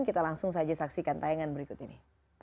kita langsung saja saksikan tayangan berikut ini